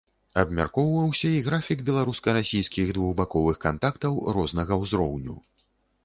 Абмяркоўваўся і графік беларуска-расійскіх двухбаковых кантактаў рознага ўзроўню.